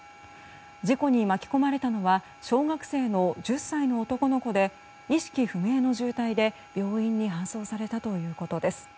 事故に巻き込まれたのは小学生の１０歳の男の子で意識不明の重体で、病院に搬送されたということです。